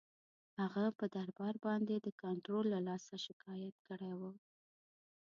هغه پر دربار باندي د کنټرول له لاسه شکایت کړی وو.